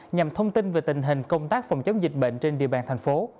nhằm thông tin về tình hình công tác phòng chống dịch bệnh trên địa bàn thành phố